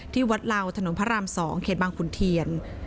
ที่วัดเหล่าถนนพระราม๒เขตบางขุนเทียน